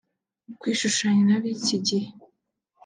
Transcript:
Kwishushanya n’abíki gihe